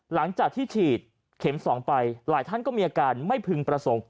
หลังจากที่ฉีดเข็ม๒ไปหลายท่านก็มีอาการไม่พึงประสงค์